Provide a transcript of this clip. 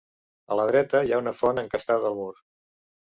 A la dreta hi ha una font encastada al mur.